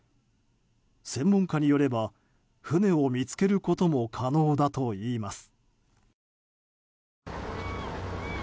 専門家によれば船を見つけることも可能だといいます。